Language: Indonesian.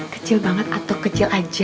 kecil banget atau kecil aja